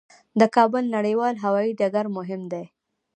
د کابل نړیوال هوايي ډګر مهم دی